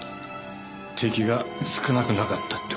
敵が少なくなかったってことか。